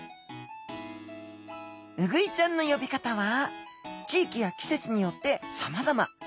ウグイちゃんの呼び方は地域や季節によってさまざま。